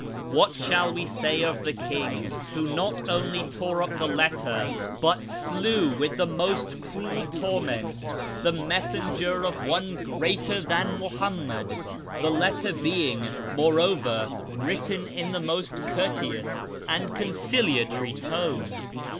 What shall we say of the king who not only tore up the letter, but slew with the most cruel torments the messenger of one greater than ]\Iuhammad, the letter being, moreover, written in the most courteous and conciliatory tone